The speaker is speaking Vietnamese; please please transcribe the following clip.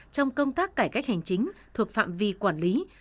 trong công tác cải cách hành chính thuộc phạm vi quản lý